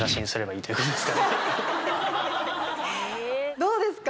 どうですか？